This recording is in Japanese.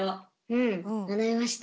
うん学べました。